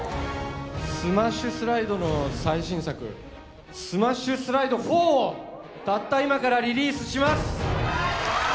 スマッシュスライドの最新作スマッシュスライド４をたった今からリリースします